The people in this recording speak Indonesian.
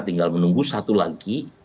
tinggal menunggu satu lagi